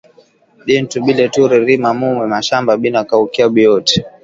Bintu bile turi rima mu mashamba bina kauka biote